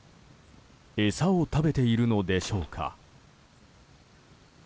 餌を食べているのでしょうか。